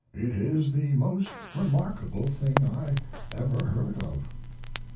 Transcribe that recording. It is the most remarkable thing I ever heard of.